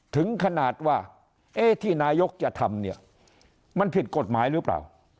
ถึงขนาดว่าเอ๊ะที่นายกจะทำเนี่ยมันผิดกฎหมายหรือเปล่า